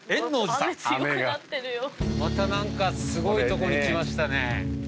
また何かすごいとこに来ましたね。